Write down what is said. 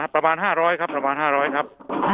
ประมาณ๕๐๐ครับประมาณ๕๐๐ครับ